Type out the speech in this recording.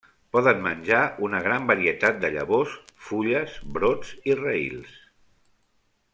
Poden menjar una gran varietat de llavors, fulles, brots i raïls.